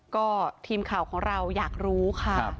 ก็ทีมข่าวของเราอยากรู้ค่ะ